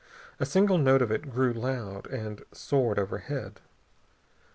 A single note of it grew loud and soared overhead.